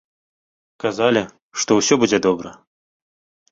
Казалі, што ўсё будзе добра.